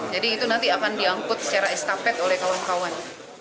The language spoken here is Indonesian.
jadi itu nanti akan diangkut secara estafet oleh kawan kawan